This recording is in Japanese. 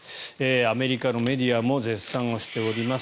アメリカのメディアも絶賛しております。